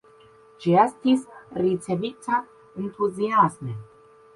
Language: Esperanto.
Ĝi estis ricevita entuziasme.